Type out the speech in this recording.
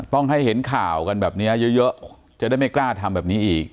ต้องให้เห็นข่าวกันแบบนี้เยอะจะได้ไม่กล้าทำแบบนี้อีก